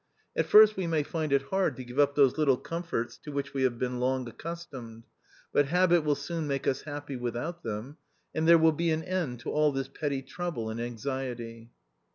At first we may find it hard to give up those little comforts to which we have been long accustomed ; but habit will soon make us happy without them, and there will be an end to all this petty trouble and anxiety."